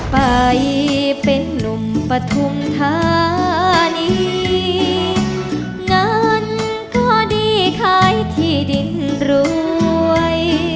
ไปเป็นนุมปธุมธานีงั้นก็ดีใครที่ดินรวย